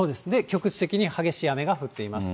局地的に激しい雨が降っています。